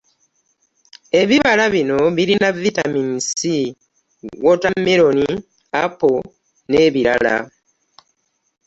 Ebibala bino birina vitamini c; woota meroni, apo, nebirala.